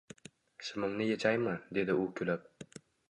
“Shimimni yechaymi?” – dedi u kulib